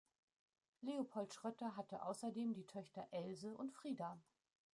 Leopold Schrötter hatte außerdem die Töchter Else und Frieda.